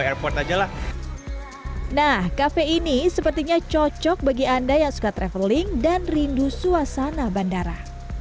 airport aja lah nah kafe ini sepertinya cocok bagi anda yang suka traveling dan rindu suasana bandara